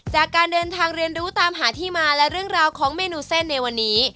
จากการเดินทางเรียนรู้ตามหาที่มาและเรื่องราวของเมนูเส้นในวันนี้